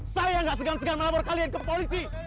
saya yang gak segan segan melabur kalian ke polisi